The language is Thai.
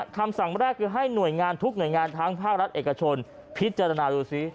คำสั่งแรกคือให้หน่วยงานทุกหน่วยงานทั้งภาครัฐเอกชนพิจารณาดูซิ